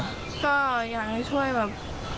ก็อยากช่วยในแบบ